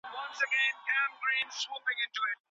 د چلند بدلون مثبت تقویه غواړي.